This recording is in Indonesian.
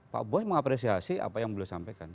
pak bos mengapresiasi apa yang beliau sampaikan